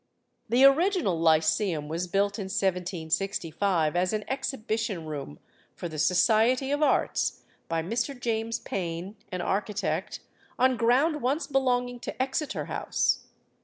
The original Lyceum was built in 1765 as an exhibition room for the Society of Arts, by Mr. James Payne, an architect, on ground once belonging to Exeter House.